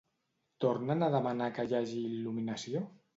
Tornen a demanar que hi hagi il·luminació?